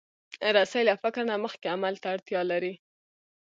رسۍ له فکر نه مخکې عمل ته اړتیا لري.